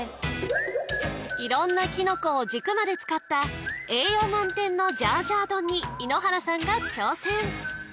いろんなきのこを軸まで使った栄養満点のジャージャー丼に井ノ原さんが挑戦